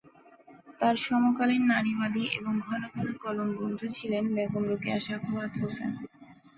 তার সমকালীন নারীবাদী এবং ঘন ঘন কলম বন্ধু ছিলেন বেগম রোকেয়া সাখাওয়াত হোসেন।